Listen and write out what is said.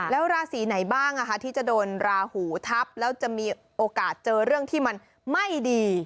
แล้วราศีไหนบ้างที่จะโดนราหูทับแล้วจะมีโอกาสเจอเรื่องที่มันไม่ดี